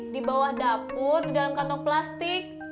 di bawah dapur di dalam kantong plastik